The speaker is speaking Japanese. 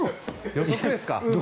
予測ですか？